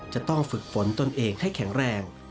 จะต้องฝึกฝนตนเองให้แข็งแรง